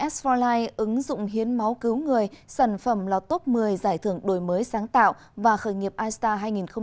s bốn life ứng dụng hiến máu cứu người sản phẩm lò tốt một mươi giải thưởng đổi mới sáng tạo và khởi nghiệp i star hai nghìn hai mươi